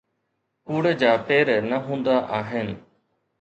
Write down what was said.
ڪوڙ جا پير نه هوندا آهن.